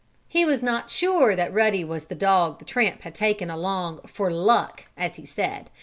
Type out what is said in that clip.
He was not sure that Ruddy was the dog the tramp had taken along "for luck" as he said.